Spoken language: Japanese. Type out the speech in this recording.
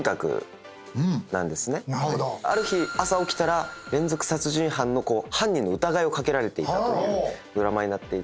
ある日朝起きたら連続殺人犯の犯人の疑いを掛けられていたというドラマになっていて。